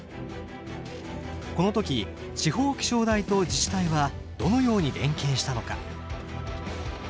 この時地方気象台と自治体はどのように連携したのか？